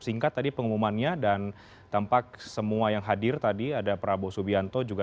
singkat tadi pengumumannya dan tampak semua yang hadir tadi ada prabowo subianto juga